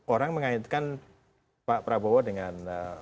orang mengaitkan pak prabowo dengan